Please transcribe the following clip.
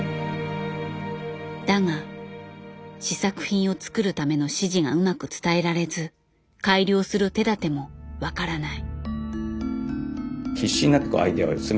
だが試作品を作るための指示がうまく伝えられず改良する手だても分からない。